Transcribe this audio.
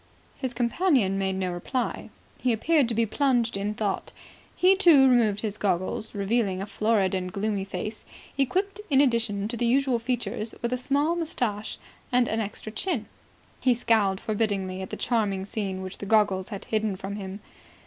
His companion made no reply. He appeared to be plunged in thought. He, too, removed his goggles, revealing a florid and gloomy face, equipped, in addition to the usual features, with a small moustache and an extra chin. He scowled forbiddingly at the charming scene which the goggles had hidden from him.